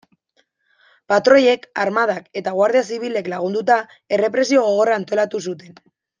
Patroiek, armadak eta Guardia Zibilek lagunduta, errepresio gogorra antolatu zuten.